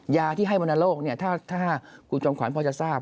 ยาที่ให้วรรณโรคถ้าคุณจอมขวัญพอจะทราบ